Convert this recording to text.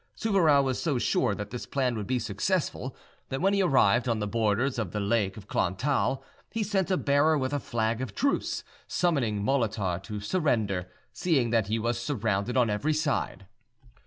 Souvarow was so sure that this plan would be successful, that when he arrived on the borders of the lake of Klon Thal, he sent a bearer with a flag of truce, summoning Molitor to surrender, seeing that he was surrounded on every side.